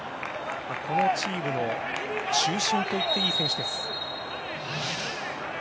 このチームの中心と言っていい選手です。